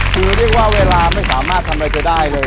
คือเรียกว่าเวลาไม่สามารถทำอะไรแกได้เลย